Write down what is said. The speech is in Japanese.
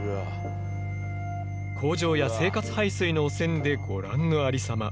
工場や生活排水の汚染でご覧のありさま。